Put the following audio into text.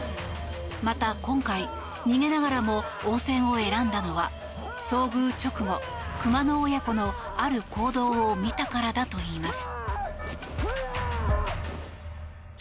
また今回逃げながらも応戦を選んだのは遭遇直後、熊の親子のある行動を見たからだといいます。